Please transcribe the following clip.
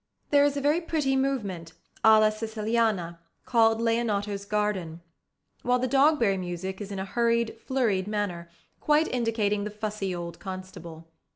There is a very pretty movement, alla Siciliana, called "Leonato's Garden"; while the Dogberry music is in a hurried, flurried manner, quite indicating the fussy old constable.